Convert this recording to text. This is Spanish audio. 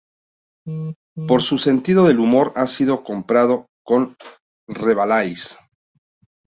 Por su sentido del humor ha sido comparado con Rabelais.